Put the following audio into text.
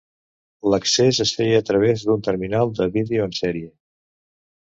L'accés es feia a través d'un terminal de vídeo en sèrie.